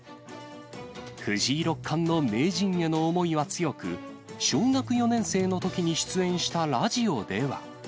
藤井六冠の名人への思いは強く、小学４年生のときに出演したラジオでは。